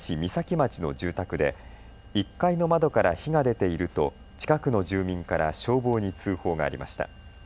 町の住宅で１階の窓から火が出ていると近くの住民から消防に通報がありました。